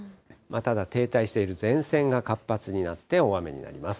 ただ、停滞している前線が活発になって、大雨になります。